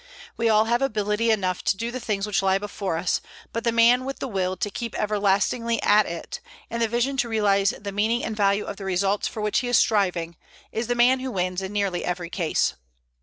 We all have ability enough to do the things which lie before us, but the man with the will to keep everlastingly at it, and the vision to realize the meaning and value of the results for which he is striving, is the man who wins in nearly every case.